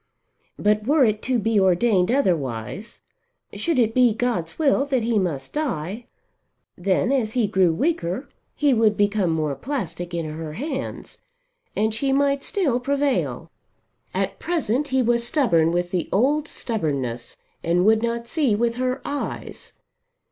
But were it to be ordained otherwise, should it be God's will that he must die, then, as he grew weaker, he would become more plastic in her hands, and she might still prevail. At present he was stubborn with the old stubbornness, and would not see with her eyes.